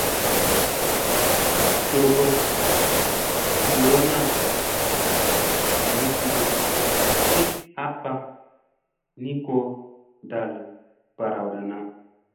Dogoɗ yo naa muɗmuɗ siiɗ happa ni ko ɗal ɓarawɗa naa.